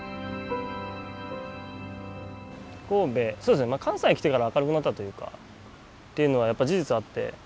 神戸そうですね関西来てから明るくなったというか。っていうのは事実あって。